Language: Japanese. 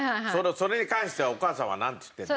それに関してはお母さんはなんて言ってるの？